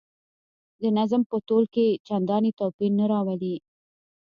د نظم په تول کې چنداني توپیر نه راولي.